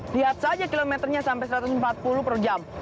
lihat saja kilometernya sampai satu ratus empat puluh per jam